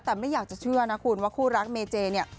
แต่ไม่อยากจะเชื่อนะคุณว่าคู่รักเมเจเนี่ย